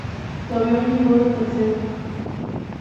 Su avión llegó de tercero.